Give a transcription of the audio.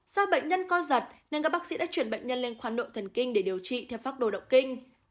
do bệnh nhân co giật nên các bác sĩ đã chuyển bệnh nhân lên khoan nội thần kinh để điều trị theo pháp đồ động kinh